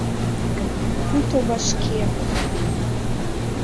Пуйто вашке